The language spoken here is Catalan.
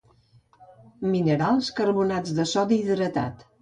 Minerals, carbonats de sodi hidratat.